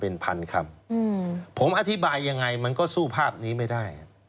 เป็นพันคำผมอธิบายยังไงมันก็สู้ภาพนี้ไม่ได้